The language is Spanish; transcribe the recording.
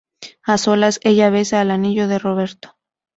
A solas, ella besa el anillo de Roberto.